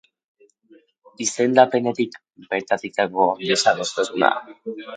Izendapenetik bertatik dago desadostasuna.